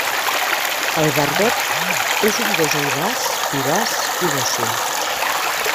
El Barbet és un gos audaç, vivaç i dòcil.